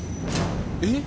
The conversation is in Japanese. えっ？